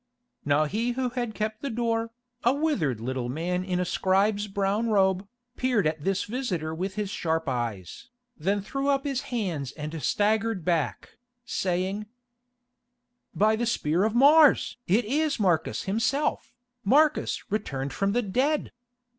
Now he who had kept the door, a withered little man in a scribe's brown robe, peered at this visitor with his sharp eyes, then threw up his hands and staggered back, saying: "By the spear of Mars! it is Marcus himself, Marcus returned from the dead!